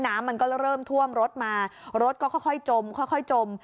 น้ำมันก็เริ่มท่วมรถมารถก็ค่อยจมค่อยจม